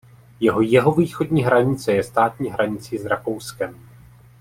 Jeho jihovýchodní hranice je státní hranicí s Rakouskem.